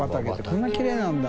こんなにきれいなんだ。